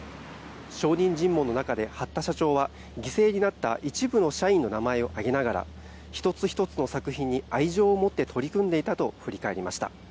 証人尋問の中で八田社長は犠牲になった一部の社員の名前を挙げながら１つ１つの作品に愛情を持って取り組んでいたと振り返りました。